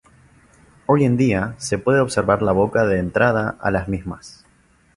Hoy en día se puede observar la boca de entrada a las mismas.